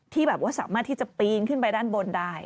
ที่แบบว่าสามารถที่จะปีนขึ้นไปด้านบนได้